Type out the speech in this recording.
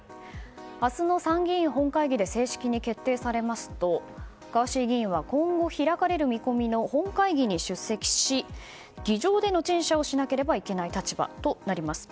明日の参議院本会議で正式に決定されますとガーシー議員は今後開かれる見込みの本会議に出席し議場での陳謝をしなければいけない立場となります。